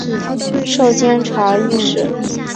授监察御史。